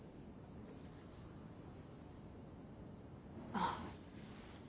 あっ。